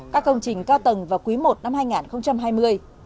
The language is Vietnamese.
các công trình cao tầng vào quý i năm hai nghìn hai mươi